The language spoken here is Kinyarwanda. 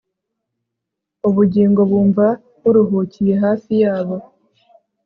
Ubugingo bumva buruhukiye hafi yabo